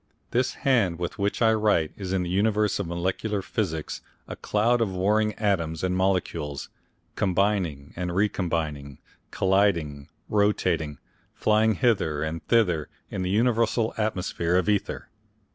This hand with which I write is in the universe of molecular physics a cloud of warring atoms and molecules, combining and recombining, colliding, rotating, flying hither and thither in the universal atmosphere of ether.